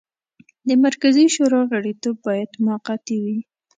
د مرکزي شورا غړیتوب باید موقتي وي.